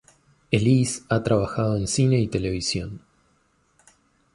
Elise ha trabajado en cine y televisión.